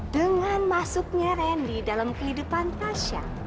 dengan masuknya randy dalam kehidupan tasha